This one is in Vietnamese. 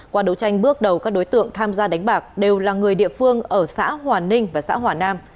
qua đấu tranh bước đầu các đối tượng tham gia đánh bạc đều là người địa phương ở xã hòa ninh và xã hòa nam